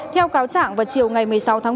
theo cáo chẳng vào chiều ngày một mươi sáu tháng bảy